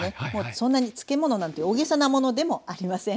そんなに漬物なんて大げさなものでもありません。